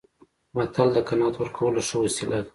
متل د قناعت ورکولو ښه وسیله ده